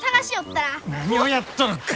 何をやっとるか！